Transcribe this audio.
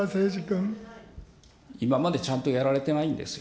今までちゃんとやられてないんですよ。